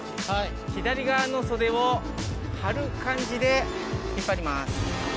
左側の袖を張る感じで引っ張ります。